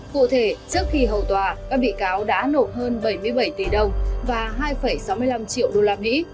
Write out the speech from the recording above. cụ thể trước khi hầu tòa các bị cáo đã nộp hơn bảy mươi bảy tỷ đồng và hai sáu mươi năm triệu usd